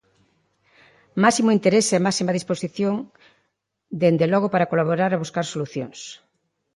Máximo interese e máxima disposición dende logo para colaborar e buscar solucións.